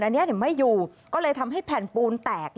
อันนี้ไม่อยู่ก็เลยทำให้แผ่นปูนแตก